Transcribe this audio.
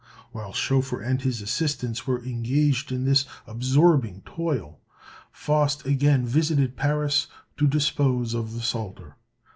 While Schoeffer and his assistants were engaged in this absorbing toil, Faust again visited Paris to dispose of the Psalter.